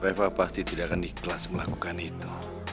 reva pasti tidak akan diikhlas melakukan itu